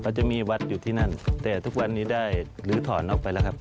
จะมีวัดอยู่ที่นั่นแต่ทุกวันนี้ได้ลื้อถอนออกไปแล้วครับ